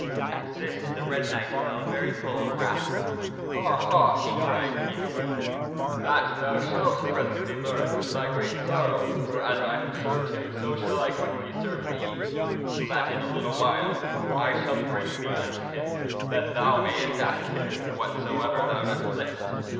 At this the Red Knight fell very full of wrath. "Ha! ha!" he cried vehemently, " that thou shalt presently learn to thy great sorrow, for as I have served him, so shall I quickly serve thee, so that in a little while I shall bring thee unto him ; then thou mayst ask him whatsoever thou dost list.